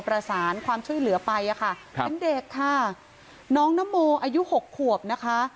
ประสานความช่วยเหลือไปอะค่ะครับเป็นเด็กค่ะน้องนโมอายุหกขวบนะคะ